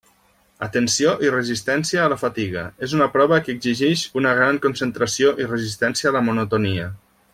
Atenció i resistència a la fatiga: és una prova que exigix una gran concentració i resistència a la monotonia.